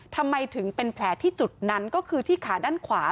ทำไมถึงเป็นแผลที่จุดนั้นก็คือที่ขาด้านขวา